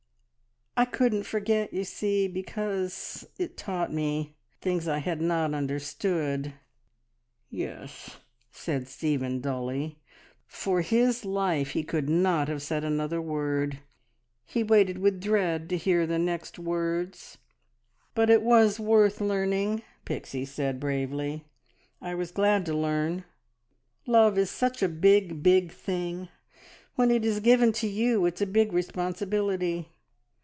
"I couldn't forget, you see, because it taught me ... things I had not understood !" "Yes," said Stephen dully. For his life he could not have said another word. He waited with dread to hear the next words. "But it was worth learning!" Pixie said bravely. "I was glad to learn. Love is such a big, big thing. When it is given to you it's a big responsibility.